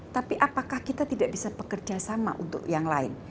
tapi apakah kita tidak bisa bekerjasama untuk yang lain